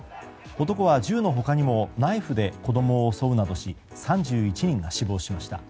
男は銃の他にもナイフで子供を襲うなどし３１人が死亡しました。